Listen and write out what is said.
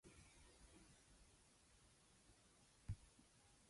Lovers are happiest when alone.